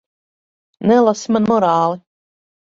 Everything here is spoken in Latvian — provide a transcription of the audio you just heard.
Nelasi man morāli.